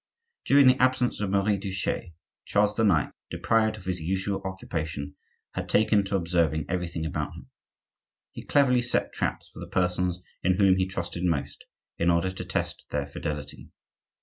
During the absence of Marie Touchet, Charles IX., deprived of his usual occupation, had taken to observing everything about him. He cleverly set traps for the persons in whom he trusted most, in order to test their fidelity.